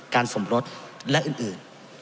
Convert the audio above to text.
การส่งลดและอื่น